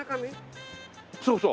そうそう。